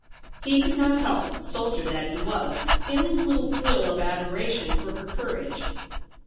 He could not help, soldier that he was, feeling a little thrill of admiration for her courage.